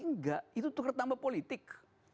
enggak itu tukar tambah politik